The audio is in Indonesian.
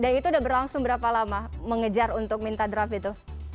dan itu sudah berlangsung berapa lama mengejar untuk minta draft itu